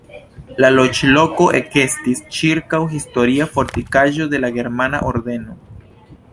La loĝloko ekestis ĉirkaŭ historia fortikaĵo de la Germana Ordeno.